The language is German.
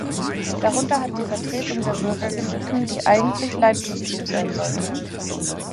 Darunter hat die Vertretung der Bürger gelitten, die eigentlich Leitprinzip sein sollte.